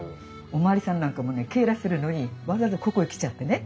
おまわりさんなんかもね警らするのにわざわざここへ来ちゃってね